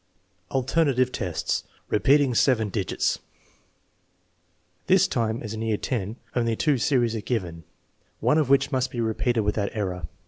XIV, Alternative tests': repeating seven digits This time, as in year X, only two series are given, one of which must be repeated without error.